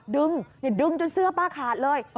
อย่าดึงจนเสื้อป้าขาดเลย